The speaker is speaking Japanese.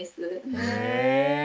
へえ！